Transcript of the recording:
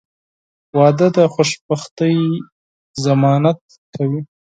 • واده د خوشبختۍ ضمانت کوي.